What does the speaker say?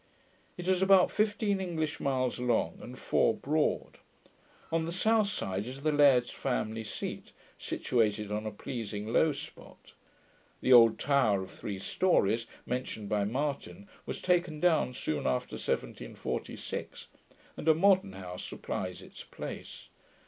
It is about fifteen English miles long, and four broad. On the south side is the laird's family seat, situated on a pleasing low spot. The old tower of three stories, mentioned by Martin, was taken down soon after 1746, and a modern house supplies its place.